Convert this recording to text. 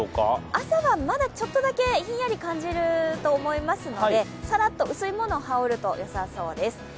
朝はまだちょっとだけひんやり感じると思いますので、さらっと薄いものを羽織ると良さそうです。